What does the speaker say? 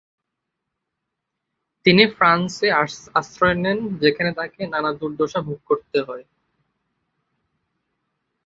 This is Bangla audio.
তিনি ফ্রান্সে আশ্রয় নেন যেখানে তাকে নানা দুর্দশা ভোগ করতে হয়।